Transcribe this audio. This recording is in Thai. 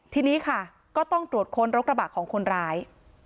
ทีนี้ค่ะก็ต้องตรวจค้นรถกระบะของคนร้าย